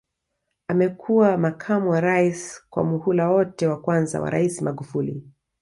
Amekuwa makamu wa Rais kwa muhula wote wa kwanza wa Rais Magufuli